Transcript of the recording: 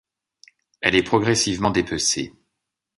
Elle est progressivement dépecée.